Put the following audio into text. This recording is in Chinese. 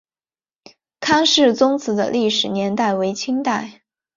康氏宗祠的历史年代为清代。